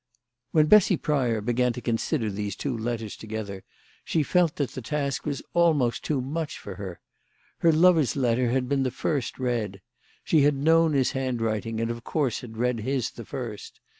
When Bessy Pryor began to consider these two letters together, she felt that the task was almost too much for her. Her lover's letter had been the first read. She had known his handwriting, and of course had read his the first.